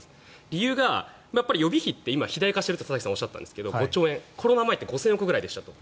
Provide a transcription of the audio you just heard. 理由が予備費って今、肥大化しているとおっしゃっていますが５兆円で、コロナ前って５０００億円くらいでしたと。